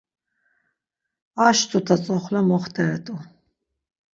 Anş tuta tzoxle moxteret̆u.